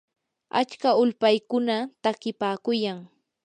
achka ulpaykuna takipaakuyan.